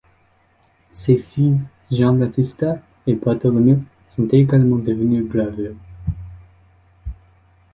Ses fils Giambattista et Bartolomeo sont également devenus graveurs.